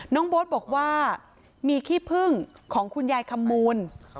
น้องโบ๊ทบอกว่ามีขี้พึ่งของคุณยายคำมูล